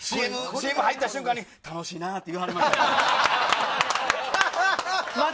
ＣＭ入った瞬間に楽しいなって言いはりました。